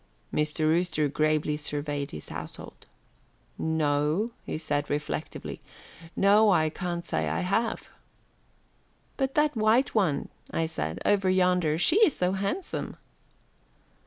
Mr. Rooster gravely surveyed his household. "No," he said reflectively, "no, I can't say that I have." "But that white one," I said, "over yonder. She is so handsome."